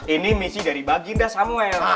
ini misi dari baginda samuel